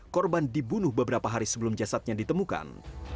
korban dibunuh beberapa hari sebelum jasadnya ditemukan